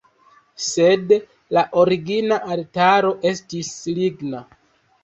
Sed la origina altaro estis ligna.